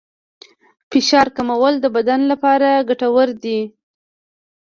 فشار کمول د بدن لپاره ګټور دي.